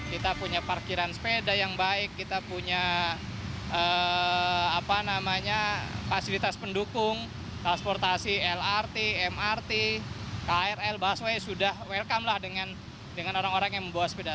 kita punya parkiran sepeda yang baik kita punya fasilitas pendukung transportasi lrt mrt krl busway sudah welcome lah dengan orang orang yang membawa sepeda